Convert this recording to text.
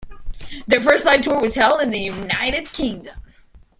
Their first live tour was held in the United Kingdom.